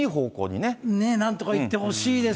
ねえ、なんとかいってほしいです。